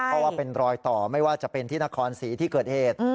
เพราะว่าเป็นรอยต่อไม่ว่าจะเป็นที่นครศรีที่เกิดเหตุ